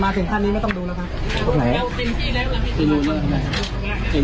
มีกระดาษขาวไม่มีกระดาษขาวเดี๋ยวว่ากลาง